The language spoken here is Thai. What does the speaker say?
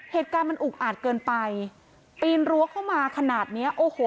เหตุการณ์มันอุกอาจเกินไปปีนรั้วเข้ามาขนาดเนี้ยโอ้โห